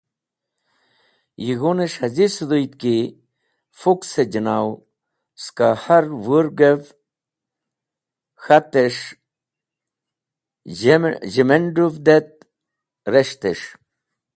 Yig̃hunes̃h haz̃i sũdhũyd ki fuks-e jẽnaw (rang), skẽ har wũrgev k̃hates̃h zhimendũvd et res̃htes̃h.